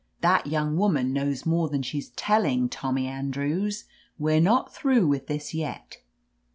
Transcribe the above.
'That young woman knows more than she's telling. Tommy Andrews.' We're not through with this yet.